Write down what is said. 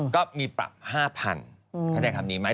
ก็มีปรับ๕๐๐๐บาทแผนการณ์นี้ไหม